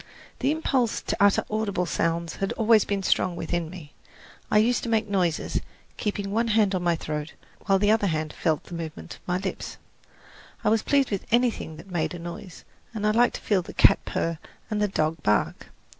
The impulse to utter audible sounds had always been strong within me. I used to make noises, keeping one hand on my throat while the other hand felt the movements of my lips. I was pleased with anything that made a noise and liked to feel the cat purr and the dog bark.